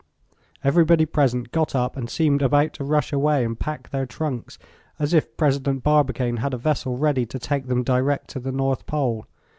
Everybody present got up and seemed about to rush away and pack their trunks, as if President Barbicane had a vessel ready to take them direct to the North Pole.